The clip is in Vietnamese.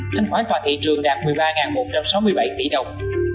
thánh khoán toàn thị trường đạt một mươi ba một trăm sáu mươi bảy tỷ đồng